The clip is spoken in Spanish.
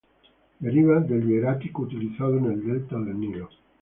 Deriva del hierático utilizado en el delta del Nilo.